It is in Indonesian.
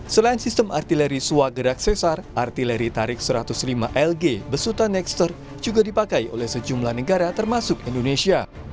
selain sistem artileri sua gerak sesar artileri tarik satu ratus lima lg besutan nextre juga dipakai oleh sejumlah negara termasuk indonesia